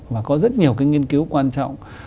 và có rất nhiều cái nghiên cứu quan trọng